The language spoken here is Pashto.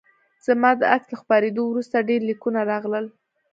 زما د عکس له خپریدو وروسته ډیر لیکونه راغلل